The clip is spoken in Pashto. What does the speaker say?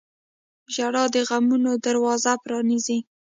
• ژړا د غمونو دروازه پرانیزي.